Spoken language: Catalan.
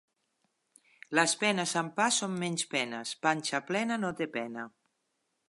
Les penes amb pa són menys penes. Panxa plena no té pena.